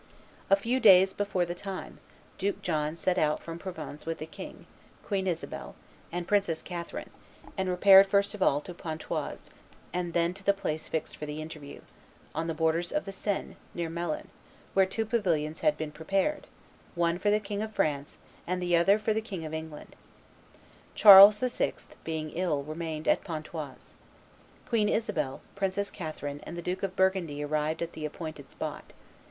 A few days before the time, Duke John set out from Provins with the king, Queen Isabel, and Princess Catherine, and repaired first of all to Pontoise, and then to the place fixed for the interview, on the borders of the Seine, near Meulan, where two pavilions had been prepared, one for the King of France and the other for the King of England. Charles VI., being ill, remained at Pontoise. Queen Isabel, Princess Catherine, and the Duke of Burgundy arrived at the appointed spot.